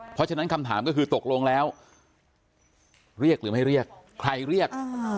เพราะฉะนั้นคำถามก็คือตกลงแล้วเรียกหรือไม่เรียกใครเรียก